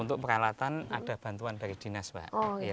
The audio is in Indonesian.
untuk peralatan ada bantuan dari dinas pak